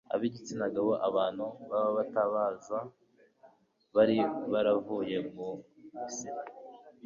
ab'igitsinagabo, abantu b'abatabazi bari baravuye mu misiri